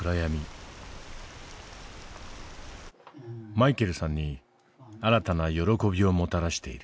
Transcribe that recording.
マイケルさんに新たな喜びをもたらしている。